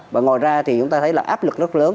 và ngoài ra thì chúng ta thấy là áp lực rất lớn